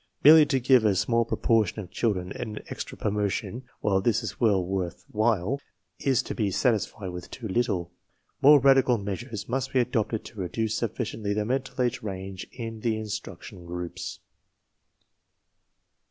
Merely to give a small proportion of children an extra promotion, while this is well worth while, is to be satisfied with too little. More radical measures must be adopted to reduce sufficiently the mental age range in the instruction groups.